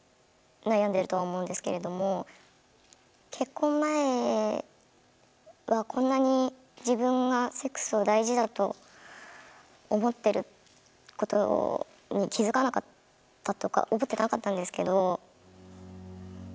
結婚前はこんなに自分がセックスを大事だと思ってることに気付かなかったとか思ってなかったんですけど。